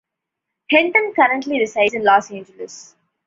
Henton currently resides in Los Angeles.